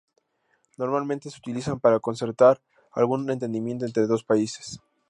Normalmente se utilizan para concertar algún entendimiento entre dos países.